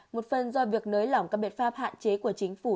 một phần do việc nới lỏng các biện pháp hạn chế của chính phủ